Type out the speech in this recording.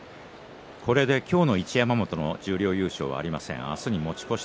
これで今日の一山本の十両優勝はありません。